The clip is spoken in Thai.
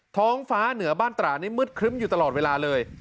ท้องฟ้าเหนือบ้านตรานี่มืดครึ้มอยู่ตลอดเวลาเลย